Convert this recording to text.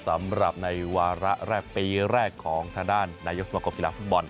สำหรับในวาระแรกปีแรกของทางด้านนายกสมคมกีฬาฟุตบอล